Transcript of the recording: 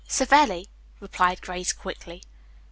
"Savelli," replied Grace quickly.